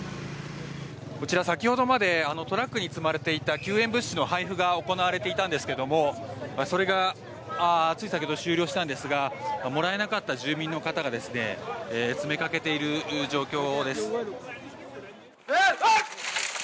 こちら、先ほどまであのトラックに積まれていた救援物資の配布が行われていたんですけどもそれがつい先ほど終了したんですがもらえなかった住民の方が詰めかけている状況です。